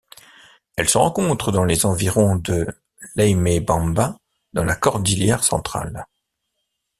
Elle se rencontre dans les environs de Leimebamba dans la cordillère Centrale.